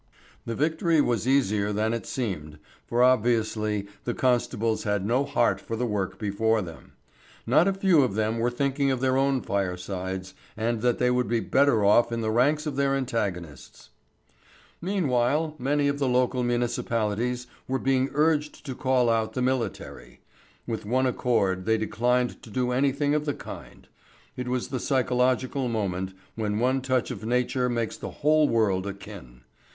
The victory was easier than it seemed, for obviously the constables had no heart for the work before them. Not a few of them were thinking of their own firesides, and that they would be better off in the ranks of their antagonists. Meanwhile, many of the local municipalities were being urged to call out the military. With one accord they declined to do anything of the kind. It was the psychological moment when one touch of nature makes the whole world akin.